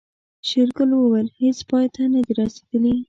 شېرګل وويل هيڅ پای ته نه دي رسېدلي.